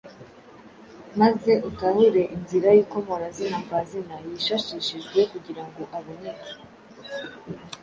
maze utahure inzira y’ikomorazina mvazina yishashishijwe kugira ngo aboneke.